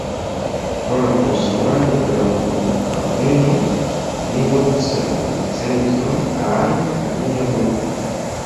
Pro la konstruado de la flughaveno, oni movis la urbocentron al alia loko.